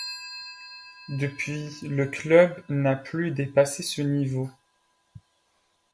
Depuis le club n’a plus dépassé ce niveau.